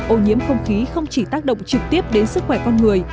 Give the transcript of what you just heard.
ô nhiễm không khí không chỉ tác động trực tiếp đến sức khỏe con người